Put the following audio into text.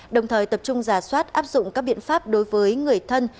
đồng thời tập trung giả soát áp dụng các biện pháp đối với người thân